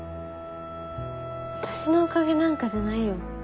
私のおかげなんかじゃないよ。